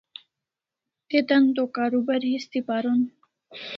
Te tan to karubar histi paron